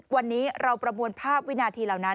วันนี้เราประมวลภาพวินาทีเหล่านั้น